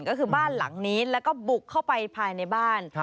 ก็คือบ้านหลังนี้แล้วก็บุกเข้าไปภายในบ้าน